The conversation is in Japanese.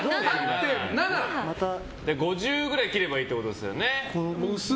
５０くらい切ればいいってことですよね。